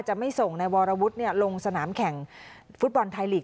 จะไม่ส่งในวรวุฒิลงสนามแข่งฟุตบอลไทยลีก